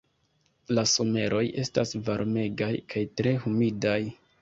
La someroj estas varmegaj kaj tre humidaj.